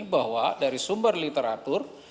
bahwa dari sumber literatur